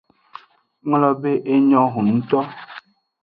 Nglobe enyo hunnuto.